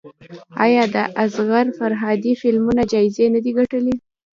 آیا د اصغر فرهادي فلمونه جایزې نه دي ګټلي؟